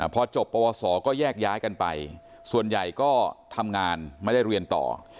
พอจบปวสอก็แยกย้ายกันไปส่วนใหญ่ก็ทำงานไม่ได้เรียนต่อ